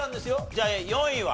じゃあ４位は？